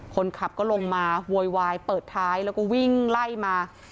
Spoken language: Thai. คนขับก็ลงมาโวยวายเปิดท้ายแล้วก็วิ่งไล่มา